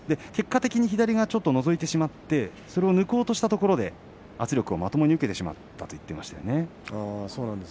結果的に左がちょっとのぞいてしまって抜こうとしたところで圧力をまともに受けてしまったと言っていました。